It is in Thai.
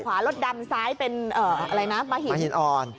ขวารถดำซ้ายเป็นม้าหินอ่อน